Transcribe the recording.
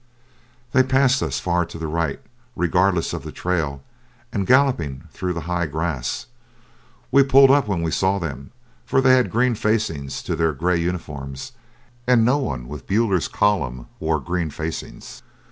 They passed us far to the right, regardless of the trail, and galloping through the high grass. We pulled up when we saw them, for they had green facings to their gray uniforms, and no one with Buller's column wore green facings.